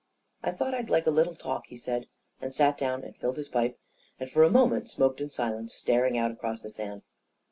" I thought I'd like a little talk," he said, and sat down and filled his pipe, and for a moment smoked in silence, staring out across the sand.